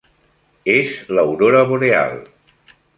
És l'aurora boreal.